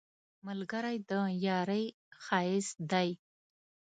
ملګری د یارۍ ښایست دی